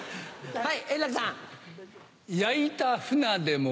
はい。